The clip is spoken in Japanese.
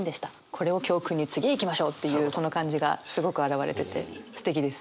これを教訓に次へいきましょうっていうこの感じがすごく表れててすてきです。